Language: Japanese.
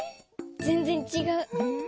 ぜんぜんちがう。